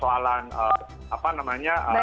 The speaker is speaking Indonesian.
ya kan apakah sebelum pjj tidak ada kdrt